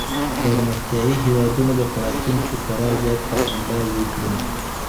پرمختيايي هيوادونه به په راتلونکي کي خورا زيات پس انداز وکړي.